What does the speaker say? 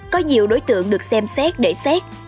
có nhiều đối tượng được xem xét để xét